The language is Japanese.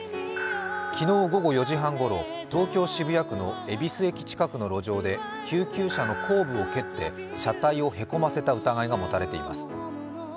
昨日午後４時半ごろ、東京・渋谷区の恵比寿駅前近くの路上で救急車の後部を蹴って車体をへこませた疑いが持たれています。